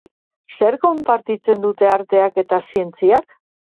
Zer konpartitzen dute arteak eta zientziak?